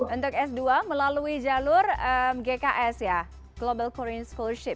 untuk s dua melalui jalur gks ya global korean scholarship